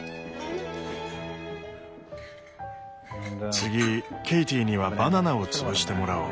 次ケイティにはバナナを潰してもらおう。